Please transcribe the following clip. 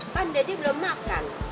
kan deddy belum makan